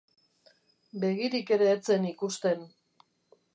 Begirik ere ez zen ikusten.